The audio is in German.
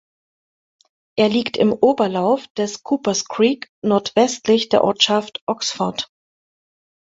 Er liegt im Oberlauf des Coopers Creek nordwestlich der Ortschaft Oxford.